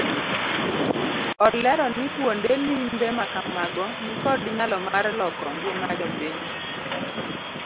Olero ni kuonde limbe makamago nikod nyalo mar loko ngima jopiny.